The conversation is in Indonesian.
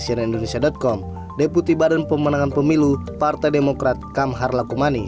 cnn indonesia com deputi badan pemenangan pemilu partai demokrat kamhar lakumani